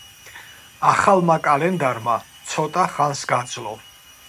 ახალმა კალენდარმა ცოტა ხანს გაძლო.